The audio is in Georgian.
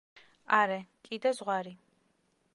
არე, კიდე ზღვარი.